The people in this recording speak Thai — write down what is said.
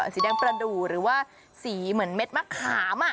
สีแดงประดูกหรือว่าสีเหมือนเด็ดมะขาม